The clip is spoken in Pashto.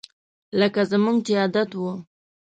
لکه زموږ چې عادت وو